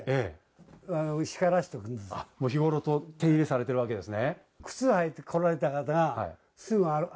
日頃、手入れされてるわけですね。